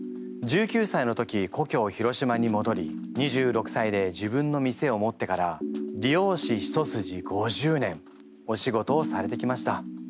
１９歳の時こきょう広島にもどり２６歳で自分の店を持ってから理容師一筋５０年お仕事をされてきました。